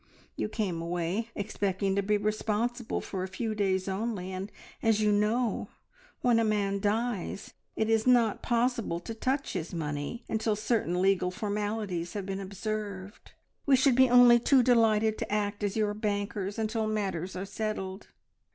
You came away expecting to be responsible for a few days only, and, as you know, when a man dies it is not possible to touch his money until certain legal formalities have been observed. We should be only too delighted to act as your bankers until matters are settled."